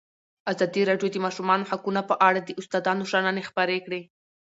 ازادي راډیو د د ماشومانو حقونه په اړه د استادانو شننې خپرې کړي.